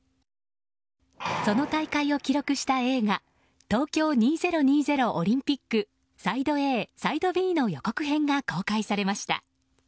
その大会を記録した映画「東京２０２０オリンピックＳＩＤＥ：Ａ／ＳＩＤＥ：Ｂ」の予告編が公開されました。